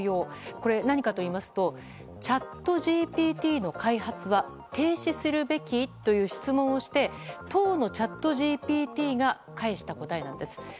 これ、何かといいますとチャットＧＰＴの開発は停止するべき？という質問をして当のチャットＧＰＴが返した答えなんです。